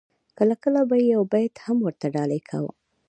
کله کله به یې یو بیت هم ورته ډالۍ کاوه.